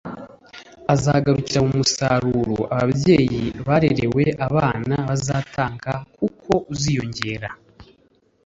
azagarukira mu musaruro ababyeyi barerewe abana bazatanga kuko uziyongera